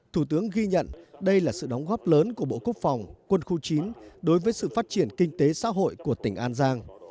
thủ tướng ghi nhận đây là sự đóng góp lớn của bộ quốc phòng quân khu chín đối với sự phát triển kinh tế xã hội của tỉnh an giang